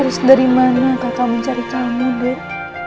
harus dari mana kakak mencari kamu dek